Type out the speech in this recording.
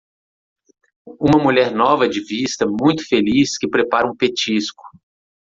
Uma mulher nova de vista muito feliz que prepara um petisco.